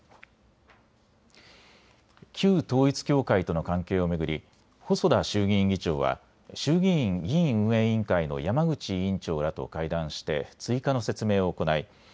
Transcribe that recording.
旧統一教会との関係を巡り細田衆議院議長は衆議院議院運営委員会の山口委員長らと会談して追加の説明を行い